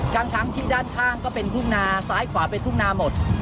ทั้งที่ด้านข้างก็เป็นทุ่งนาซ้ายขวาเป็นทุ่งนาหมด